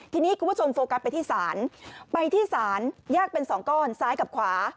ทีนี้คุณผู้ชมโฟกัสไปที่ศาลไปที่ศาลแยกเป็นสองก้อนซ้ายกับขวา